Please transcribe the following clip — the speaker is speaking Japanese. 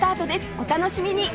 お楽しみに！